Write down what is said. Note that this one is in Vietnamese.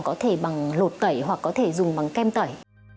có thể bằng lột tẩy hoặc có thể dùng bằng kem tẩy